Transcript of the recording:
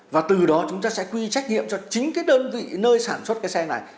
và từ đó chúng ta sẽ quy trách nhiệm cho chính cái đơn vị nơi sản xuất cái xe này